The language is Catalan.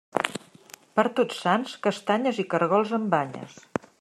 Per Tots Sants, castanyes i caragols amb banyes.